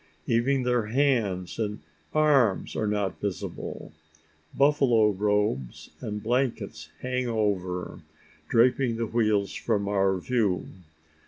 Even their hands and arms are not visible: buffalo robes and blankets hang over, draping the wheels from our view.